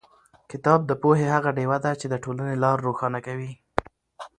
کتاب د پوهې هغه ډېوه ده چې د ټولنې لار روښانه کوي.